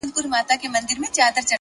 علم د پرمختګ محرک دی.